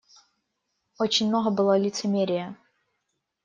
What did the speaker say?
Очень много было лицемерия.